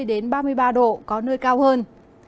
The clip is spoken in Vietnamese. nền nhiệt độ có nơi cao hơn